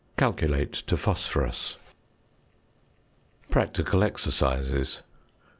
Calculate to phosphorus. PRACTICAL EXERCISES. 1.